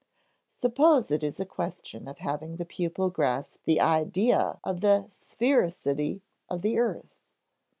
Suppose it is a question of having the pupil grasp the idea of the sphericity of the earth.